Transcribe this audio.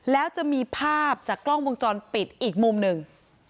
แล้วจะมีภาพจากกล้องวงจรปิดอีกมุมหนึ่ง